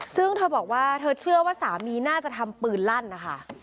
ซึ่งเธอบอกว่าเธอเชื่อว่าสามีน่าจะทำปืนลั่นนะคะ